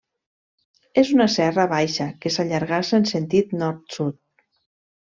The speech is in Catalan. És una serra baixa que s'allargassa en sentit nord-sud.